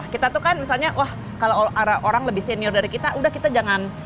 kita tuh kan misalnya wah kalau orang lebih senior dari kita udah kita jangan